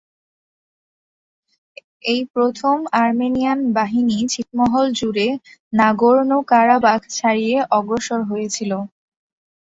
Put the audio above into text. এই প্রথম আর্মেনিয়ান বাহিনী ছিটমহল জুড়ে নাগোর্নো-কারাবাখ ছাড়িয়ে অগ্রসর হয়েছিল।